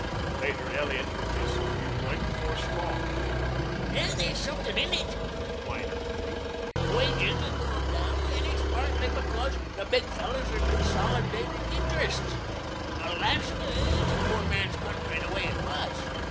Later Elliot put this viewpoint before Strong. "There's something in it," the miner agreed. "Wages have gone down, and it's partly because the big fellows are consolidating interests. Alaska ain't a poor man's country the way it was.